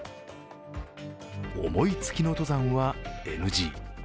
思いつきの登山はＮＧ。